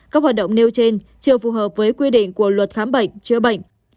các hoạt động nêu trên chưa phù hợp với quy định của luật khám bệnh chữa bệnh